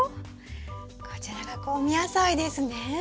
こちらが香味野菜ですね。